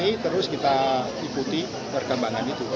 ini terus kita ikuti perkembangan itu